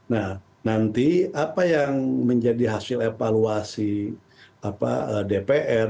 nah nanti apa yang menjadi hasil evaluasi dpr